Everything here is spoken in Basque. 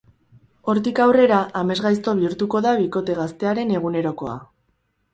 Hortik aurrera, amesgaizto bihurtuko da bikote gaztearen egunerokoa.